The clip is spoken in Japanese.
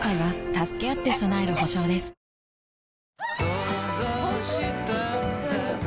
想像したんだ